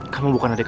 kamu bukan adik aku